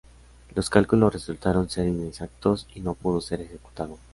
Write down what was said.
Los cálculos resultaron ser inexactos y no pudo ser ejecutado.